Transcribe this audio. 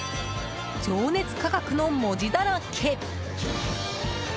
情熱価格の文字だらけ。